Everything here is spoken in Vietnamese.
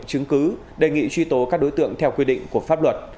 chứng cứ đề nghị truy tố các đối tượng theo quy định của pháp luật